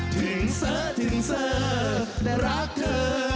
ถึงเธอถึงเธอและรักเธอ